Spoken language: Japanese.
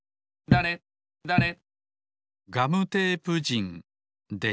だれだれ。